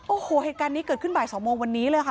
โอ้โหเหตุการณ์นี้เกิดขึ้นบ่าย๒โมงวันนี้เลยค่ะ